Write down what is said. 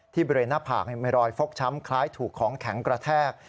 ที่บริเลน่ภากให้มีรอยฟกช้ำคล้ายถูกของแข็งกระแทก